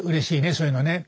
そういうのね。